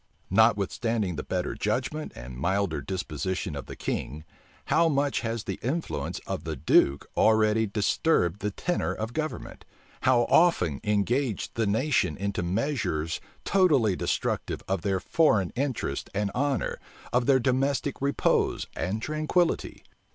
Notwithstanding the better judgment and milder disposition of the king, how much has the influence of the duke already disturbed the tenor of government! how often engaged the nation into measures totally destructive of their foreign interests and honor, of their domestic repose and tranquillity!